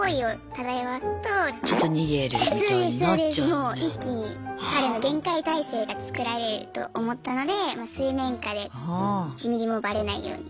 もう一気に彼の厳戒態勢がつくられると思ったので水面下で１ミリもバレないように。